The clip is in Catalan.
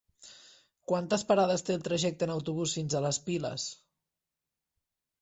Quantes parades té el trajecte en autobús fins a les Piles?